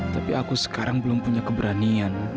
tapi aku sekarang belum punya keberanian